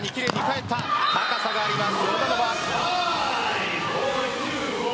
高さがあります。